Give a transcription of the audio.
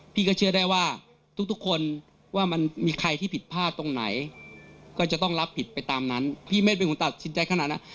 พี่ก็เชื่อได้ว่าทุกคนว่ามันมีใครที่ผิดพลาดตรงไหนก็จะต้องรับผิดไปตามนั้นพี่ไม่เป็นคนตัดสินใจขนาดนั้น